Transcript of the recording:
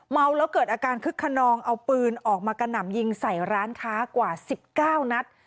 เมาแล้วเกิดอาการคึกขนองเอาปืนออกมากระหน่ำยิงใส่ร้านค้ากว่า๑๙นัด